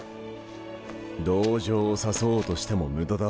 同情を誘おうとしても無駄だ。